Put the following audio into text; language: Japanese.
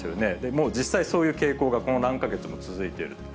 もう実際、そういう傾向がこの何か月も続いている。